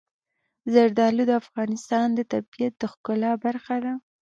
زردالو د افغانستان د طبیعت د ښکلا برخه ده.